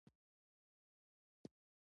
د مایا دولت-ښارونو تاریخ یو معمول بهیر راښيي.